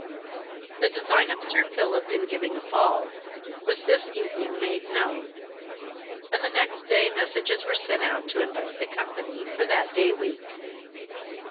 The design of Sir Philip, in giving a ball, was this evening made known, and the next day messages were sent out to invite the company for that day week.